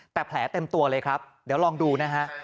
แต่แผลเต็มตัวเลยครับเดี๋ยวลองดูนะฮะ